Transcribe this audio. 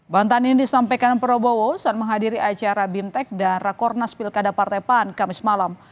bantahan ini disampaikan prabowo saat menghadiri acara bimtek dan rakornas pilkada partai pan kamis malam